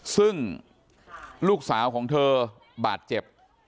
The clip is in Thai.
ซึ่งลูกสาวของเธอบาดเจ็บ